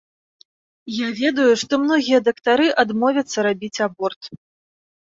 Я ведаю, што многія дактары адмовяцца рабіць аборт.